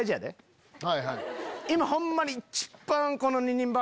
今ホンマに一番。